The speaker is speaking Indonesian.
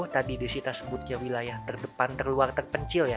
tadi desita sebutnya wilayah terdepan terluar terpencil ya